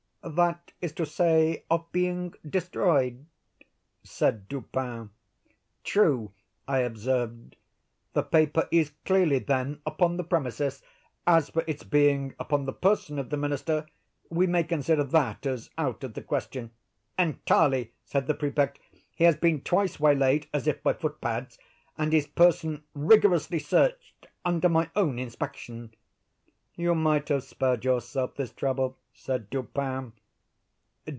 "That is to say, of being destroyed," said Dupin. "True," I observed; "the paper is clearly then upon the premises. As for its being upon the person of the minister, we may consider that as out of the question." "Entirely," said the Prefect. "He has been twice waylaid, as if by footpads, and his person rigorously searched under my own inspection." "You might have spared yourself this trouble," said Dupin.